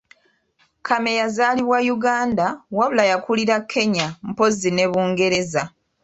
Kamya yazaalibwa Uganda wabula yakulira Kenya mpozi ne Bungereza